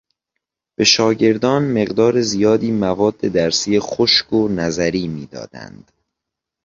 به شاگردان مقدار زیادی مواد درسی خشک و نظری میدادند.